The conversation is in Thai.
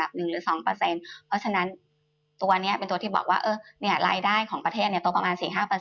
เพราะฉะนั้นตัวนี้เป็นตัวที่บอกว่ารายได้ของประเทศตัวประมาณ๔๕